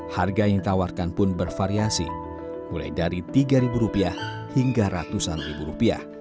harga yang tawarkan pun bervariasi mulai dari tiga rupiah hingga ratusan ribu rupiah